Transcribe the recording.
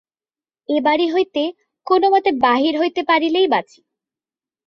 এ বাড়ি হইতে কোন মতে বাহির হইতে পারিলেই বাঁচি।